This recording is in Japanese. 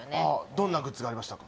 どんなグッズがありましたか